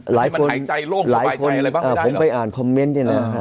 หลายคนผมไปอ่านคอมเมนต์เนี่ยนะฮะ